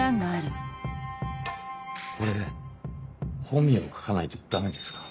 これ本名を書かないとダメですか？